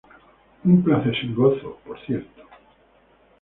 Un placer sin gozo, por cierto.